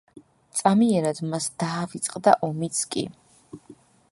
წამიერად მას დაავიწყდა ომიც კი.